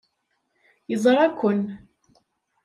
Yeẓra-ken.